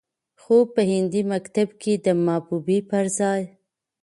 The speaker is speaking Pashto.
خو په هندي مکتب کې د محبوبې پرځاى